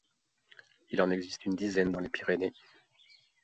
Il en existe une dizaine dans les Pyrénées.